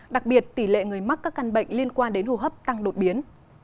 đặc biệt tỷ lệ người mắc các căn bệnh liên quan đến hô hấp tăng đột biến